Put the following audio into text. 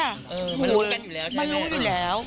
เออมันรู้กันอยู่แล้วใช่ไหมมันรู้อยู่แล้ว